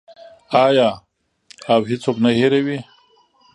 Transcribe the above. آیا او هیڅوک نه هیروي؟